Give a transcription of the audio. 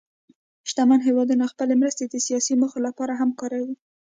شتمن هېوادونه خپلې مرستې د سیاسي موخو لپاره هم کاروي.